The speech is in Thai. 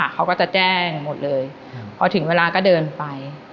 เขาก็จะแจ้งหมดเลยพอถึงเวลาก็เดินไป